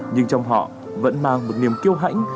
nhưng trong họ vẫn mang một niềm kêu hãnh